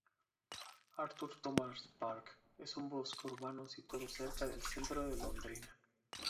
Arthur Thomas Park es un bosque urbano situado cerca del centro de Londrina.